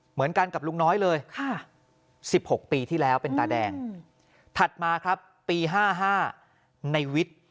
เหมือนกันกับลุงน้อยเลย๑๖ปีที่แล้วเป็นตาแดงถัดมาครับปี๕๕ในวิทย์